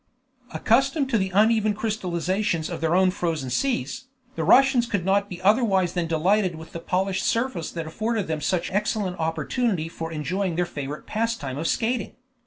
Accustomed to the uneven crystallizations of their own frozen seas, the Russians could not be otherwise than delighted with the polished surface that afforded them such excellent opportunity for enjoying their favorite pastime of skating.